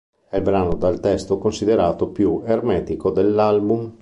È il brano dal testo considerato più "ermetico" dell'album.